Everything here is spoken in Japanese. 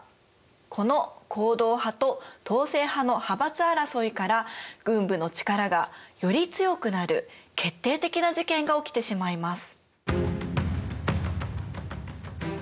この皇道派と統制派の派閥争いから軍部の力がより強くなる決定的な事件が起きてしまいます。